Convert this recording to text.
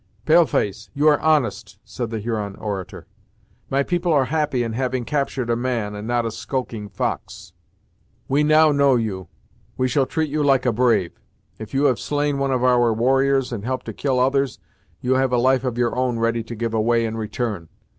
"Pale face, you are honest," said the Huron orator. "My people are happy in having captured a man, and not a skulking fox. We now know you; we shall treat you like a brave. If you have slain one of our warriors, and helped to kill others, you have a life of your own ready to give away in return.